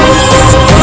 baik ayahanda prabu